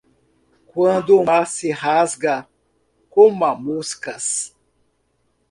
Quando o mar se rasga, coma moscas.